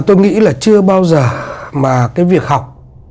tôi nghĩ là chưa bao giờ mà cái việc học